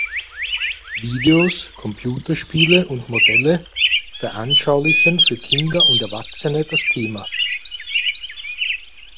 Videos, Computerspiele und Modelle veranschaulichen für Kinder und Erwachsene das Thema.